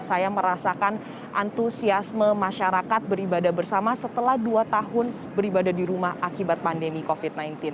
saya merasakan antusiasme masyarakat beribadah bersama setelah dua tahun beribadah di rumah akibat pandemi covid sembilan belas